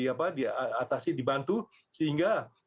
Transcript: atasi dibantu sehingga